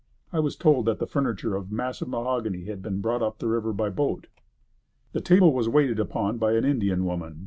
I was told that the furniture of massive mahogany had been brought up the river by boat. The table was waited upon by an Indian woman.